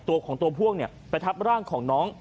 ตัวของตัวพ่วงเนี่ยไปทับร่างของน้อง